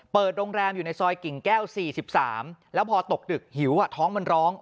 โรงแรมอยู่ในซอยกิ่งแก้ว๔๓แล้วพอตกดึกหิวท้องมันร้อง